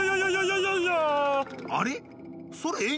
あれ？